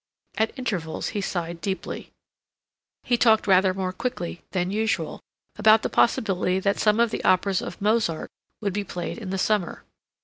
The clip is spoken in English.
At intervals he sighed deeply. He talked rather more quickly than usual about the possibility that some of the operas of Mozart would be played in the summer.